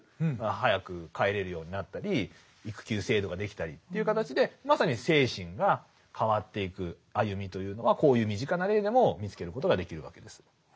早く帰れるようになったり育休制度ができたりという形でまさに精神が変わっていく歩みというのはこういう身近な例でも見つけることができるわけです。